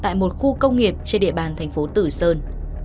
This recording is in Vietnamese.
tại một khu công nghiệp trên địa bàn thành phố tử sơn